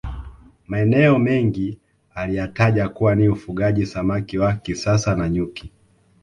Maeneo mengine aliyataja kuwa ni ufugaji samaki wa kisasa na nyuki